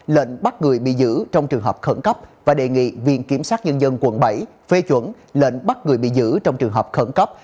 lệnh bắt người bị giữ trong trường hợp khẩn cấp và đề nghị viện kiểm sát nhân dân quận bảy phê chuẩn lệnh bắt người bị giữ trong trường hợp khẩn cấp